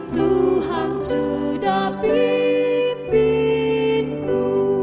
tuhan sudah pimpin ku